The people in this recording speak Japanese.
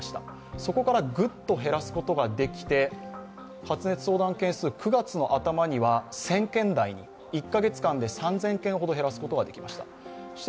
そこからグッと減らすことができて、発熱相談件数、９月の頭には１０００件台に１カ月間で３０００件ほど減らすことができました。